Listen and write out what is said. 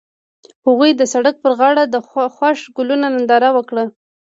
هغوی د سړک پر غاړه د خوښ ګلونه ننداره وکړه.